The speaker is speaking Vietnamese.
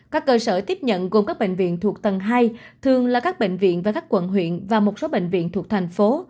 các cơ sở tiếp nhận gồm các bệnh viện thuộc tầng hai thường là các bệnh viện và các quận huyện và một số bệnh viện thuộc thành phố